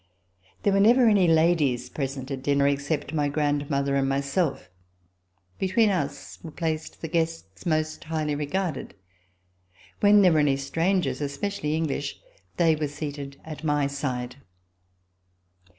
There were never any ladies present at dinner, except my grandmother and myself. Between us were placed the guests most highly regarded. When there were any strangers, especially English, they • RECOLLECTIONS OF THE REVOLUTION were seated at my side.